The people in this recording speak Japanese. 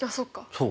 そう。